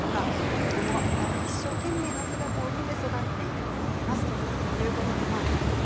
子どもは親の一生懸命な姿を見て育っていくと思いますということです。